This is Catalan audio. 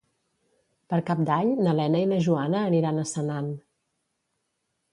Per Cap d'Any na Lena i na Joana aniran a Senan.